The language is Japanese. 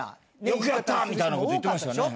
よくやったみたいなこと言ってましたね。